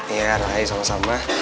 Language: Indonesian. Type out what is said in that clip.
iya rai sama sama